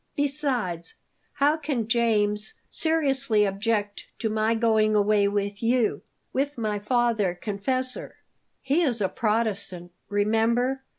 Besides, how can James seriously object to my going away with you with my father confessor?" "He is a Protestant, remember.